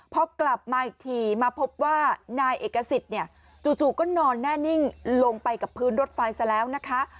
พอกลับมาอีกทีมาพบว่านายเอกสิทธิ์เนี่ยจู่ก็นอนแน่นิ่งลงไปกับพื้นรถไฟซะแล้วนะคะ